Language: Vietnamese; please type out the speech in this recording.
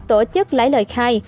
tổ chức lấy lời khai